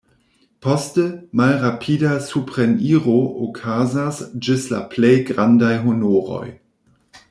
Poste, malrapida supreniro okazas ĝis la plej grandaj honoroj.